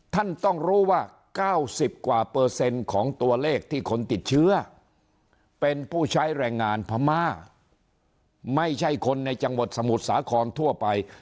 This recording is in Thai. ท่านต้องรู้ว่า๙๐กว่าเปอร์เซ็นต์ของตัวเลขที่คนติดเชื้อเป็นผู้ใช้แรงงานพม่าไม่ใช่คนในจังหวัดสมุทรสาครทั่วไป